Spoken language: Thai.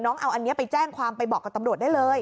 เอาอันนี้ไปแจ้งความไปบอกกับตำรวจได้เลย